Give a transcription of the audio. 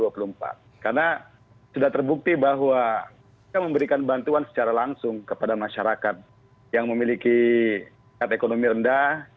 karena sudah terbukti bahwa kita memberikan bantuan secara langsung kepada masyarakat yang memiliki kata ekonomi rendah